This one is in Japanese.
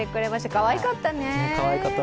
かわいかったね。